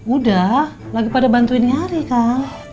udah lagi pada bantuin nyari kan